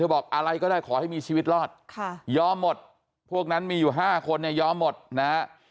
บอกอะไรก็ได้ขอให้มีชีวิตรอดยอมหมดพวกนั้นมีอยู่๕คนเนี่ยยอมหมดนะฮะ